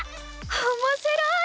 おもしろい！